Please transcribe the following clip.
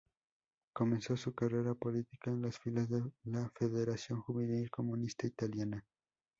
Comenzó su carrera política en las filas de la Federación Juvenil Comunista Italiana.